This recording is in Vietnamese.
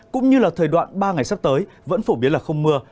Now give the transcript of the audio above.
cũng như là thời đoạn ba ngày sắp tới vẫn phổ biến là không mưa